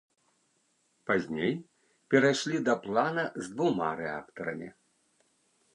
Пазней перайшлі да плана з двума рэактарамі.